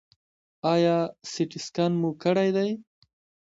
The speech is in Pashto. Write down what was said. ایا سټي سکن مو کړی دی؟